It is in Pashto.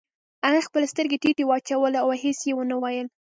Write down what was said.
هغې خپلې سترګې ټيټې واچولې او هېڅ يې ونه ويل.